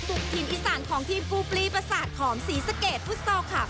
ตุกทีมอีสานของทีมกูปลีประสาทขอมศรีสเกตฟุตซอลคลับ